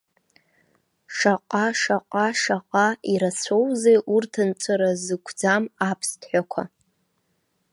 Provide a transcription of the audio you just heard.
Шаҟа, шаҟа, шаҟа ирацәоузеи урҭ, нҵәара зықәӡам аԥсҭҳәақәа.